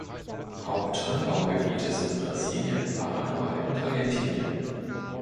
Hauptanbaugebiete sind Brasilien, Paraguay und Argentinien.